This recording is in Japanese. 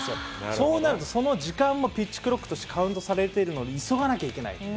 そうなると、その時間もピッチクロックとしてカウントされているので、急がなきゃいけない。